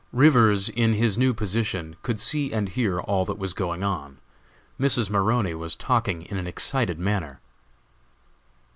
Rivers, in his new position, could see and hear all that was going on. Mrs. Maroney was talking in an excited manner.